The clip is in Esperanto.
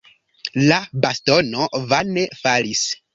La bastono vane falis.